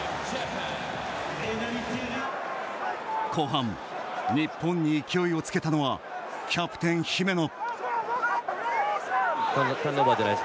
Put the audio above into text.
後半、日本に勢いをつけたのはキャプテン姫野。